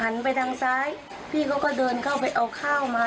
ไปทางซ้ายพี่เขาก็เดินเข้าไปเอาข้าวมา